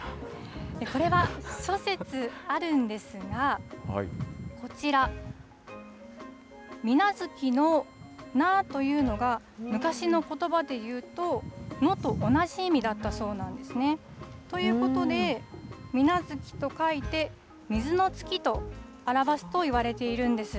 それは諸説あるんですが、こちら、みなづきのなというのが、昔のことばでいうと、のと同じ意味だったそうなんですね。ということで、みなづきと書いて、水の月と表すといわれているんです。